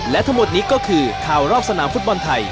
และทั้งหมดนี้ก็คือข่าวรอบสนามฟุตบอลไทย